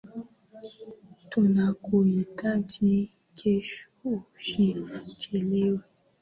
Tunakuhitaji kesho, usichelewe.